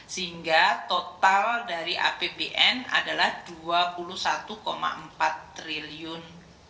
sehingga total dari apbn adalah rp dua puluh satu empat triliun